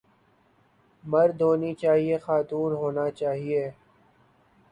مرد ہونی چاہئے خاتون ہونا چاہئے